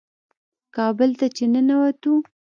کابل ته چې ننوتو.